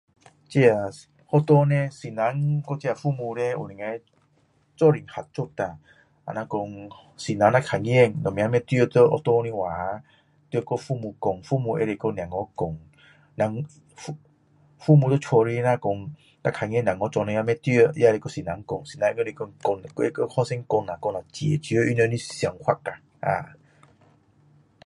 这个学校老师跟这个父母叻能够一起合作啦比如说老师如果看到有什么不对在学校的话可以跟父母讲父母可以跟小孩讲父母在家里看见小孩子做什么不对也可以跟老师讲还是说跟学生讲下讲下解决他们的想法